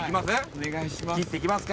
お願いします。